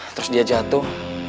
terus dia jatuh